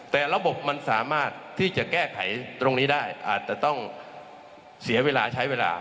แต่ระบบมันสามารถที่จะแก้ไขตรงนี้ได้อาจจะต้องเสียเวลาใช้เวลา